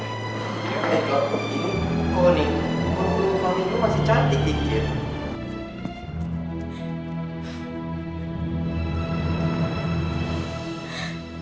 ini ada jawab gini